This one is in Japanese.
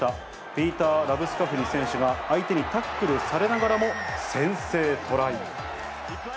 ピーター・ラブスカフニ選手が、相手にタックルされながらも先制トライ。